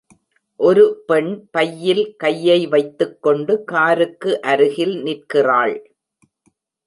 ஒரு பெண் பையில் கையை வைத்துக்கொண்டு காருக்கு அருகில் நிற்கிறாள்.